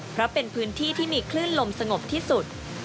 เพราะเป็นพื้นที่ที่มีคลื่นลมสงบที่สุด